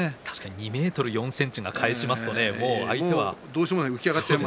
２ｍ４ｃｍが返しますとね。